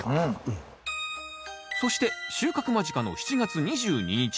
そして収穫間近の７月２２日。